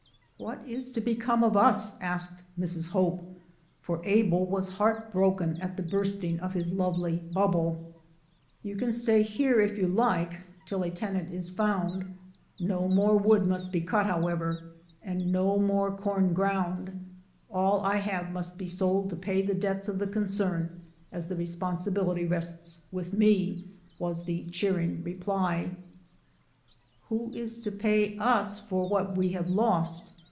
"What is to become of us?" asked Mrs. Hope, for Abel was heart broken at the biu"sting of his lovely bubble. "You can stay here, if you hke, till a tenant is found. No more wood must be cut, however, and Digitized by VjOOQ IC i68 BRONSON ALCOTT'S FRUITLANDS no more com ground. All I have must be sold to pay the debts of the concern, as the responsi bility rests with me/* was the cheering reply. "Who is to pay us for what we have lost?